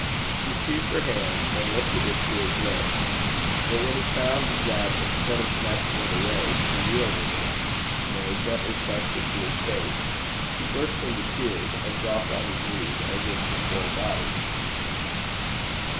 He seized her hand and lifted it to his lips. But when he found that instead of snatching it away, she yielded it, nay gently pressed it to his face, he burst into tears, and dropped on his knees, as if before a goddess.